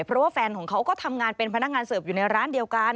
เพราะว่าแฟนของเขาก็ทำงานเป็นพนักงานเสิร์ฟอยู่ในร้านเดียวกัน